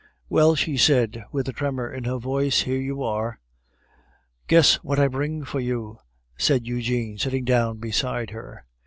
"Well," she said, with a tremor in her voice, "here you are." "Guess what I bring for you," said Eugene, sitting down beside her.